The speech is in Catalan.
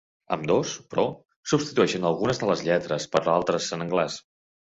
Ambdós, però, substitueixen algunes de les lletres per altres en anglès.